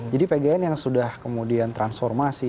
jadi pgn yang sudah kemudian transformasi